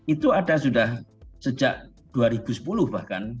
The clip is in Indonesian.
itu ada sudah sejak dua ribu sepuluh bahkan